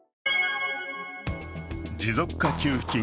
持続化給付金